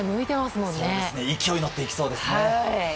勢いに乗っていきそうですね。